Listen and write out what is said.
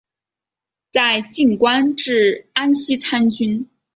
在晋官至安西参军。